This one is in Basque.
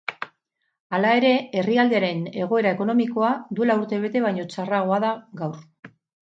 Hala ere, herrialdearen egoera ekonomikoa duela urte bete baino txarragoa da gaur.